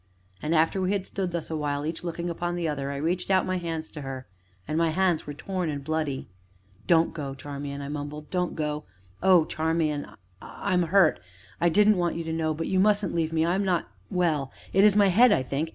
And, after we had stood thus awhile, each looking upon the other, I reached out my hands to her, and my hands were torn and bloody. "Don't go, Charmian," I mumbled, "don't go! Oh, Charmian I'm hurt I didn't want you to know, but you mustn't leave me I am not well; it is my head, I think.